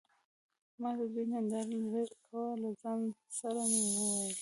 ما د دوي ننداره له لرې کوه له ځان سره مې وويل.